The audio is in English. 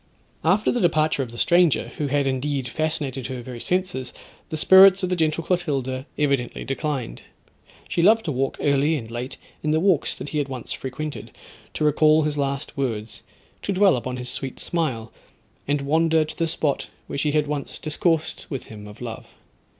After the departure of the stranger, who had indeed fascinated her very senses, the spirits of the gentle Clotilda evidently declined. She loved to walk early and late in the walks that he had once frequented, to recall his last words; to dwell on his sweet smile; and wander to the spot where she had once discoursed with him of love.